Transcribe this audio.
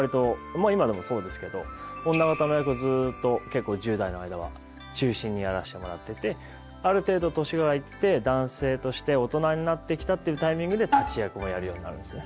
まあ今でもそうですけど女方の役をずっと結構１０代の間は中心にやらせてもらっててある程度年が行って男性として大人になってきたっていうタイミングで立役もやるようになるんですね。